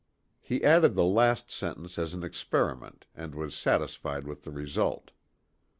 He added the last sentence as an experiment, and was satisfied with the result.